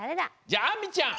じゃああんみちゃん！